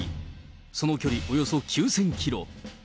その距離およそ９０００キロ。